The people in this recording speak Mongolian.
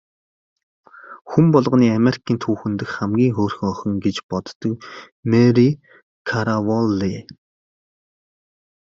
Хүн болгоны Америкийн түүхэн дэх хамгийн хөөрхөн охин гэж боддог Мари Караволли.